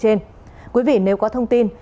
trên quý vị nếu có thông tin